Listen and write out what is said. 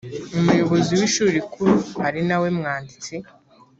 umuyobozi w ishuri rikuru ari nawe mwanditsi